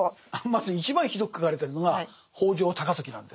まず一番ひどく書かれてるのが北条高時なんです。